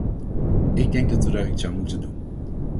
Ik denk dat we daar iets aan moeten doen.